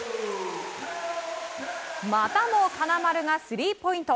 またも金丸がスリーポイント。